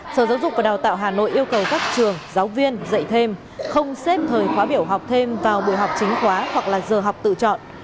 sở giáo dục và đào tạo hà nội yêu cầu các trường giáo viên dạy thêm không xếp thời khóa biểu học thêm vào buổi học chính khóa hoặc là giờ học tự chọn